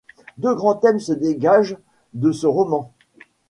Deux grands thèmes se dégagent de ce roman.